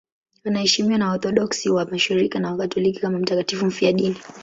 Anaheshimiwa na Waorthodoksi wa Mashariki na Wakatoliki kama mtakatifu mfiadini.